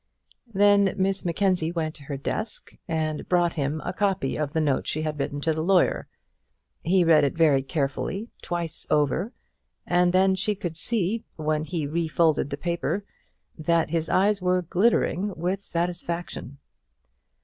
Then Miss Mackenzie went to her desk, and brought him a copy of the note she had written to the lawyer. He read it very carefully, twice over; and then she could see, when he refolded the paper, that his eyes were glittering with satisfaction.